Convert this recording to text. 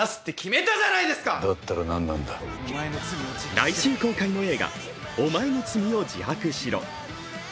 来週公開の映画、「おまえの罪を自白しろ」。